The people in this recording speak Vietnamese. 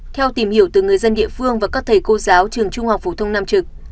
theo tìm hiểu từ người dân địa phương và các thầy cô giáo trường trung học phổ thông nam trực